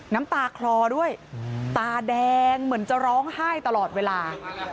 น้ำตาคลอด้วยตาแดงเหมือนจะร้องไห้ตลอดเวลา